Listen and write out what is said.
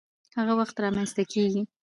هغه وخت رامنځته کيږي،